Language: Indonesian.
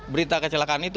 berita kecelakaan itu